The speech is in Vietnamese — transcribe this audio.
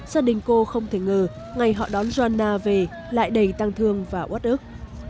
gia đình cô không thể ngờ ngày họ đón jonna về lại đầy tăng thương và quất ức